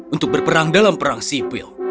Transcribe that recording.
untuk berperang dalam perang sipil